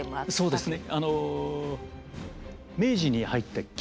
そうです。